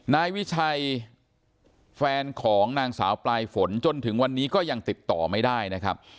นายวิชัยแฟนของนางสาวปลายฝนจนถึงวันนี้ก็ยังติดต่อไม่ได้นะครับ